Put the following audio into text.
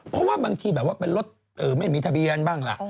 เพราะว่าบางทีเป็นรถไม่มีทะเบียนบ้าง